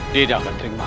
aku harus mencari cara